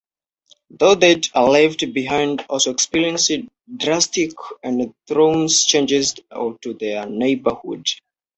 Those that are left behind also experience drastic and harrowing changes to their neighborhood.